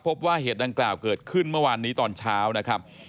พบว่าเหตุดังกล่าวเกิดขึ้นเมื่อวานนี้ตอนเช้านะครับ